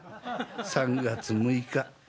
３月６日。